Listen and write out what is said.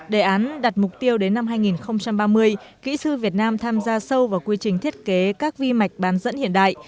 đề án đặt mục tiêu đến năm hai nghìn ba mươi kỹ sư việt nam tham gia sâu vào quy trình thiết kế các vi mạch bán dẫn hiện đại